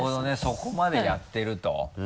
そこまでやってると。